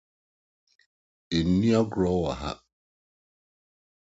Nni agoru wɔ ha.